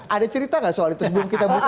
ada cerita nggak soal itu sebelum kita buka